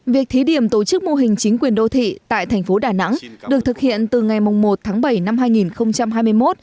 việc thí điểm tổ chức mô hình chính quyền đô thị tại thành phố đà nẵng được thực hiện từ ngày một tháng bảy năm hai nghìn hai mươi một